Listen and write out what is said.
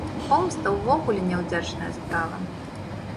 Помста ўвогуле няўдзячная справа.